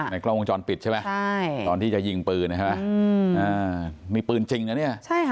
กล้องวงจรปิดใช่ไหมตอนที่จะยิงปืนใช่ไหมมีปืนจริงนะเนี่ย